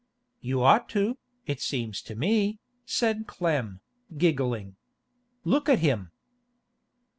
'You ought to, it seems to me,' said Clem, giggling. 'Look at him.